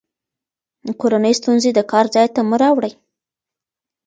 کورني ستونزې د کار ځای ته مه راوړئ.